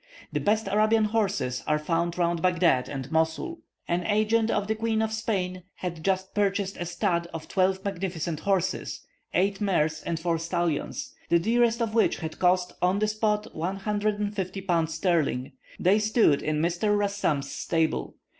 The best Arabian horses are found round Baghdad and Mosul. An agent of the Queen of Spain had just purchased a stud of twelve magnificent horses (eight mares and four stallions), the dearest of which had cost on the spot 150 pounds sterling. They stood in Mr. Rassam's stable.